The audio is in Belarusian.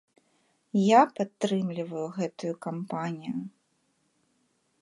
Я падтрымліваю гэтую кампанію!